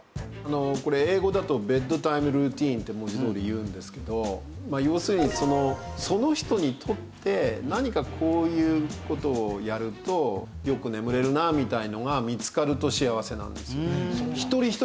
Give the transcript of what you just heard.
これ英語だとベッドタイムルーティンって文字どおり言うんですけど要するにその人にとって何かこういう事をやるとよく眠れるなみたいなのが見つかると幸せなんですよ。